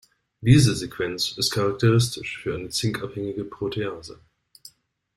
Diese Sequenz ist charakteristisch für eine Zink-abhängige Protease.